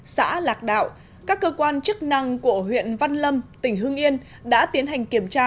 xã lạc đạo các cơ quan chức năng của huyện văn lâm tỉnh hưng yên đã tiến hành kiểm tra